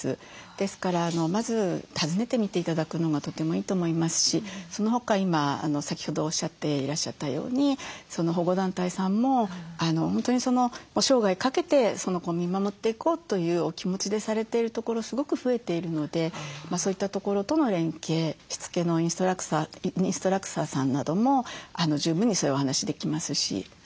ですからまず訪ねてみて頂くのがとてもいいと思いますしそのほか今先ほどおっしゃっていらっしゃったように保護団体さんも本当に生涯かけてその子を見守っていこうというお気持ちでされているところすごく増えているのでそういったところとの連携しつけのインストラクターさんなども十分にそういうお話できますし。